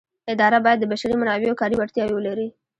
اداره باید د بشري منابعو کاري وړتیاوې ولري.